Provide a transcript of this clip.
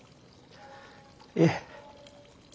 いえ。